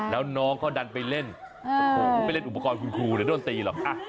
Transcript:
แล้วน้องก็ดันไปเล่นไปเล่นอุปกรณ์คุณครูไม่ได้โดนตีหรอก